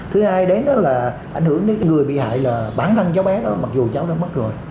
thứ hai đến đó là ảnh hưởng đến người bị hại là bản thân cháu bé đó mặc dù cháu đã mất rồi